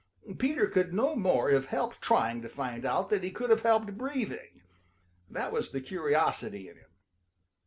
Peter could no more have helped trying to find out than he could have helped breathing. That was the curiosity in him.